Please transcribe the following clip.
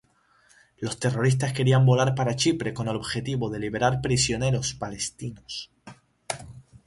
Los terroristas querían volar para Chipre con el objetivo de liberar prisioneros palestinos.